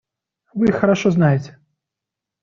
Вы их хорошо знаете.